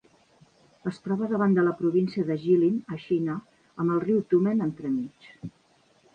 Es troba davant de la província de Jilin, a Xina, amb el riu Tumen entremig.